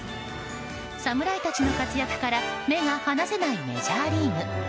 侍たちの活躍から目が離せないメジャーリーグ。